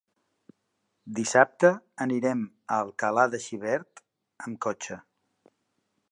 Dissabte anirem a Alcalà de Xivert amb cotxe.